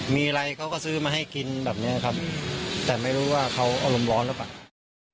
มีอะไรเขาก็ซื้อมาให้กินแบบเนี้ยครับแต่ไม่รู้ว่าเขาอารมณ์ร้อนหรือเปล่า